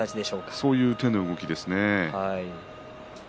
そういう手の動きでしたね。